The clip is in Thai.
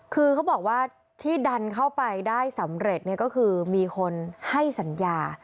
คือเขาบอกว่าที่ดันเข้าไปได้สำเร็จก็คือมีคนให้สัญญา